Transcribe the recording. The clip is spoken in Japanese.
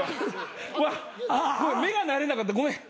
目が慣れなかったごめん。